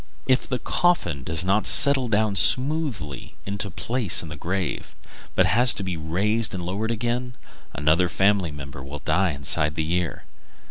If the coffin does not settle down smoothly into place in the grave, but has to be raised and lowered again, another in the family will die inside a year.